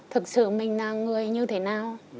thực sự mình là người như thế nào